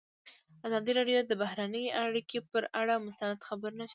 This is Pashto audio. ازادي راډیو د بهرنۍ اړیکې پر اړه مستند خپرونه چمتو کړې.